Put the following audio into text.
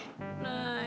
nah itu kan marah